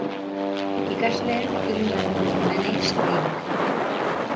Ikasleen film laburrik onenei sariak.